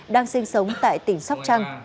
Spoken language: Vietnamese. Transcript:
đang sinh sống tại tỉnh sóc trăng